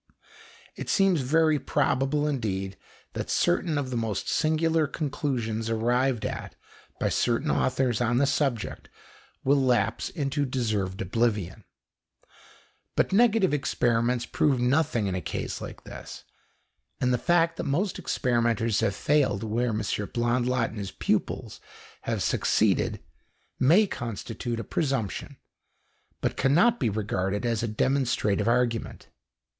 It seems very probable indeed that certain of the most singular conclusions arrived at by certain authors on the subject will lapse into deserved oblivion. But negative experiments prove nothing in a case like this, and the fact that most experimenters have failed where M. Blondlot and his pupils have succeeded may constitute a presumption, but cannot be regarded as a demonstrative argument.